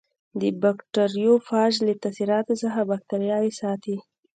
د بکټریوفاژ له تاثیراتو څخه باکتریاوې ساتي.